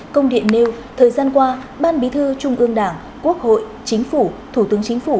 công điện nêu thời gian qua ban bí thư trung ương đảng quốc hội chính phủ thủ tướng chính phủ